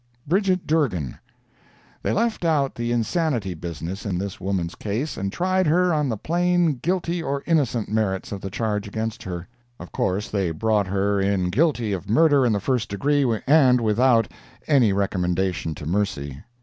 BRIDGET DURGAN They left out the insanity business in this woman's case and tried her on the plain guilty or innocent merits of the charge against her. Of course they brought her in guilty of murder in the first degree and without any recommendation to mercy.